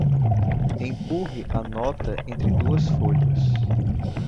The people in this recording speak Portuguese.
Empurre a nota entre duas folhas.